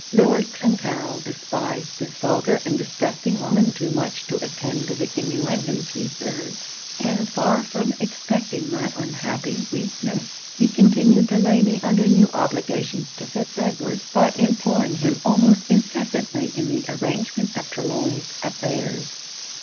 'Lord Clancarryl despised this vulgar and disgusting woman too much to attend to the inuendos he heard; and far from suspecting my unhappy weakness, he continued to lay me under new obligations to Fitz Edward by employing him almost incessantly in the arrangement of Trelawny's affairs.